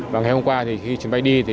và ngày hôm qua khi chuyến bay đi